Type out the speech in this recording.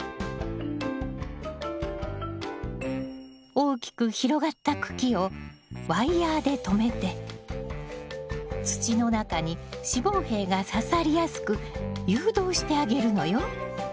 大きく広がった茎をワイヤーでとめて土の中に子房柄がささりやすく誘導してあげるのよ。